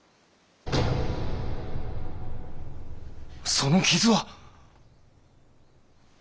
その傷は？